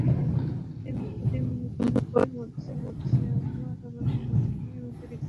মুহুর্তের মধ্যে আমার, আমার স্বামীর ও সন্তানের মাঝে বিচ্ছেদ হয়ে গেল।